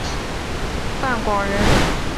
范广人。